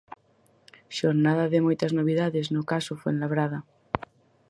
Xornada de moitas novidades no 'Caso Fuenlabrada'.